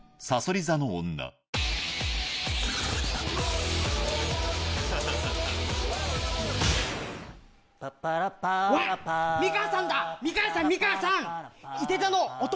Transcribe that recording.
さそり座の女か！